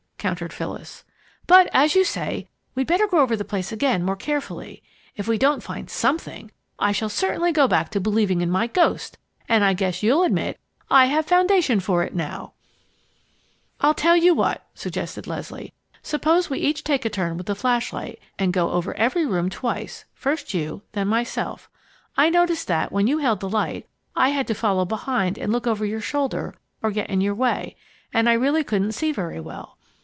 countered Phyllis. "But as you say, we'd better go over the place again and more carefully. If we don't find something, I shall certainly go back to believing in my 'ghost.' And I guess you'll admit I have foundation for it now!" [Illustration: Phyllis flashed the torch about in a general survey] "I tell you what!" suggested Leslie. "Suppose we each take a turn with the flash light and go over every room twice, first you, then myself. I noticed that, when you held the light, I had to follow behind and look over your shoulder or get in your way, and I really couldn't see very well.